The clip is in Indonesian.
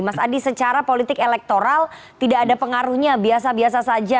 mas adi secara politik elektoral tidak ada pengaruhnya biasa biasa saja